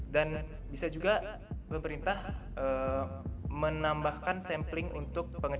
dan bisa juga pemerintah menambahkan sampling untuk pengecekan covid sembilan belas